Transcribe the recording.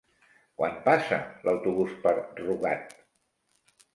Quan passa l'autobús per Rugat?